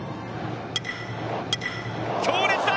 強烈だ！